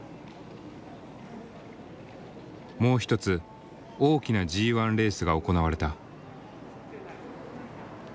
もう一つ大きなＧ１レースが行われた。